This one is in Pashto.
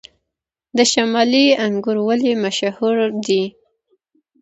د شمالي انګور ولې مشهور دي؟